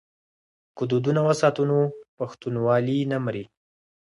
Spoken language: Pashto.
که دودونه وساتو نو پښتونوالي نه مري.